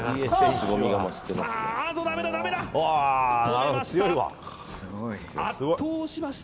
止めました。